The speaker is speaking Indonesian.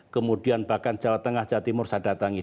kemudian bahkan jawa tengah jawa timur saya datangi